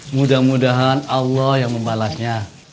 mudah mudahan allah yang membalasnya